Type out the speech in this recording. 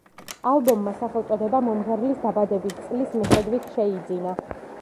ალბომმა სახელწოდება მომღერლის დაბადების წლის მიხედვით შეიძინა.